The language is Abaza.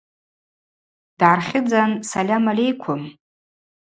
Дгӏархьыдзан – Сальам альейквым.